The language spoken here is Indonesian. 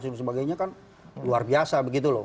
sebagainya kan luar biasa begitu loh